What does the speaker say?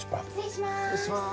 失礼します。